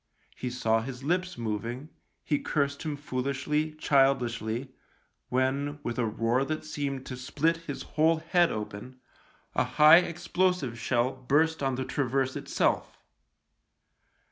He saw his lips moving, he cursed him foolishly, childishly, when, with a roar that seemed to split his whole head open, a high explosive shell burst on the traverse itself.